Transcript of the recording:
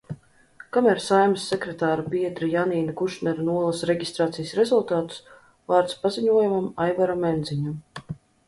Kamēr Saeimas sekretāra biedre Janīna Kušnere nolasa reģistrācijas rezultātus, vārds paziņojumam Aivaram Endziņam.